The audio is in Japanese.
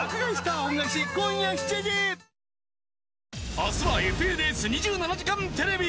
明日は「ＦＮＳ２７時間テレビ」。